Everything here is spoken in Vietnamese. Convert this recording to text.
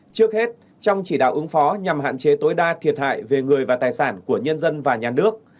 trước hết trong chỉ đạo ứng phó nhằm hạn chế tối đa thiệt hại về người và tài sản của nhân dân và nhà nước